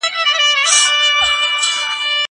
زه د کتابتون کتابونه نه لوستل کوم!!